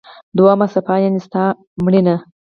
دوهمه صفحه: یعنی ستا مړینه.